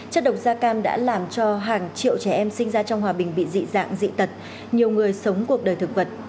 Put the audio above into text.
chất độc da cam đã làm cho hàng triệu trẻ em sinh ra trong hòa bình bị dị dạng dị tật nhiều người sống cuộc đời thực vật